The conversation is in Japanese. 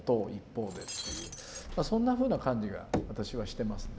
そんなふうな感じが私はしてますね。